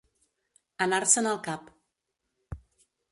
Anar-se'n el cap.